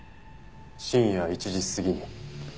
深夜１時過ぎに？